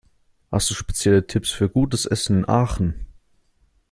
Hast du spezielle Tipps für gutes Essen in Aachen?